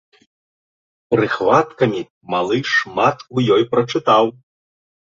Прыхваткамі малы шмат у ёй прачытаў.